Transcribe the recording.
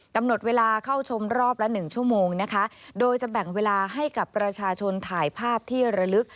กำหนดเวลาเข้าชมรอบละหนึ่งชั่วโมงนะคะโดยจะแบ่งเวลาให้กับประชาชนถ่ายภาพที่ระลึก